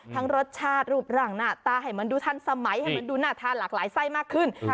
รสชาติรูปร่างหน้าตาให้มันดูทันสมัยให้มันดูน่าทานหลากหลายไส้มากขึ้น